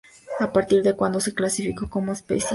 A partir de cuando se reclasificó como especie.